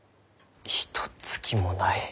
ひとつきもない。